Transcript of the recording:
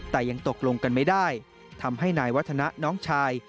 แต่ยังตกลงกันไม่ได้ทำให้นายวัฒนะน้องชาย